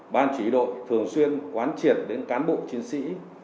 ban chỉ đội thường xuyên quán triệt đến cán bộ chiến sĩ